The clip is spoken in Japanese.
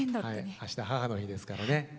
あした母の日ですからね。